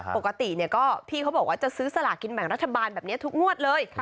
ปกติก็พี่เขาบอกว่าจะซื้อสลากินแบ่งรัฐบาลแบบนี้ทุกงวดเลย